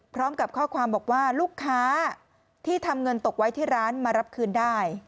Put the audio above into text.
พร้อมกับข้อความบอกว่าลูกค้าที่ทำเงินตกไว้ที่ร้านมารับคืนได้